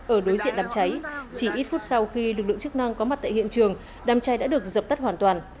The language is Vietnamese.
ở đối diện đám cháy chỉ ít phút sau khi lực lượng chức năng có mặt tại hiện trường đám cháy đã được dập tắt hoàn toàn